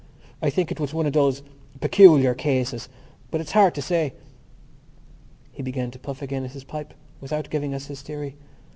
"I think it was one of those ... peculiar cases.... But it's hard to say...." He began to puff again at his pipe without giving us his theory.